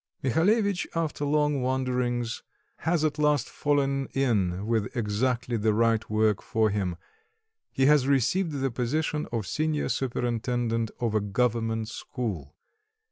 Mihalevitch, after long wanderings, has at last fallen in with exactly the right work for him; he has received the position of senior superintendent of a government school.